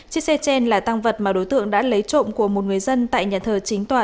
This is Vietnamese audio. chiếc xe trên là tăng vật mà đối tượng đã lấy trộm của một người dân tại nhà thờ chính tòa